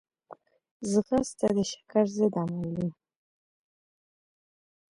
ځغاسته د شکر ضد عمل دی